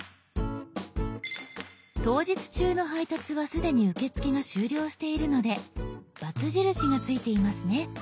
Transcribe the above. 当日中の配達は既に受け付けが終了しているのでバツ印がついていますね。